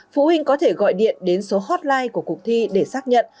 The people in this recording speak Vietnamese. phụ huynh có thể gọi điện đến số hotline của cuộc thi để xác nhận